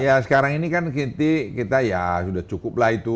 ya sekarang ini kan kita ya sudah cukup lah itu